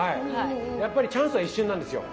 やっぱりチャンスは一瞬なんですよ。